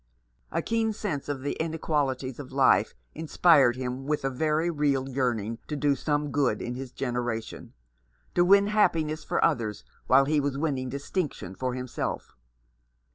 A keen sense of the inequalities of life inspired him with a very real yearning to do some good in his generation — to win happiness for others while he was winning distinction for himself.